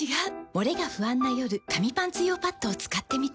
モレが不安な夜紙パンツ用パッドを使ってみた。